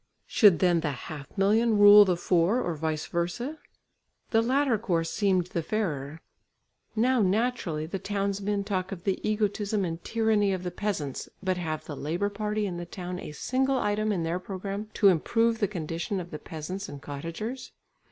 Should then the half million rule the four or vice versa? The latter course seemed the fairer. Now naturally the townsmen talk of the egotism and tyranny of the peasants, but have the labour party in the town a single item in their programme to improve the condition of the peasants and cottagers?